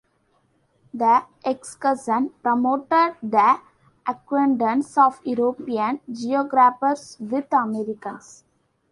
The excursion promoted the acquaintance of European geographers with Americans.